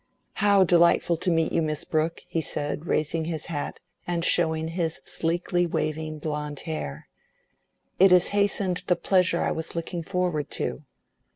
"How delightful to meet you, Miss Brooke," he said, raising his hat and showing his sleekly waving blond hair. "It has hastened the pleasure I was looking forward to."